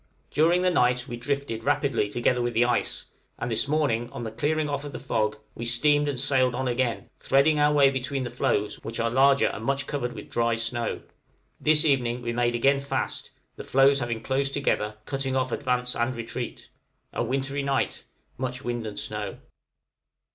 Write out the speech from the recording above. During the night we drifted rapidly together with the ice, and this morning, on the clearing off of the fog, we steamed and sailed on again, threading our way between the floes, which are larger and much covered with dry snow. This evening we again made fast, the floes having closed together, cutting off advance and retreat. A wintry night, much wind and snow.